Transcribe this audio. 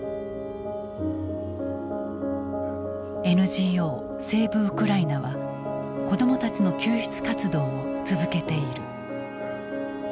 ＮＧＯセーブ・ウクライナは子どもたちの救出活動を続けている。